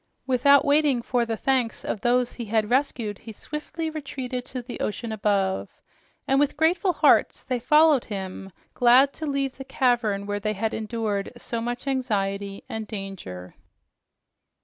Without waiting for the thanks of those he had rescued, he swiftly retreated to the ocean above, and with grateful hearts they followed him, glad to leave the cavern where they had endured so much anxiety and danger.